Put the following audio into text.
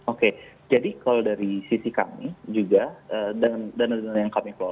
oke jadi kalau dari sisi kami juga dana dana yang kami kelola kami berharap akan menjaga kondisi side way